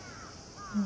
うん。